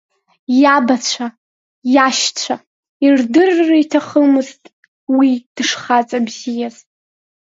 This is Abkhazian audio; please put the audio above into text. Иабацәа, иашьцәа ирдырыр иҭахымызт уи дшхаҵабзиаз.